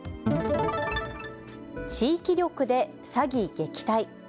地域力で詐欺撃退。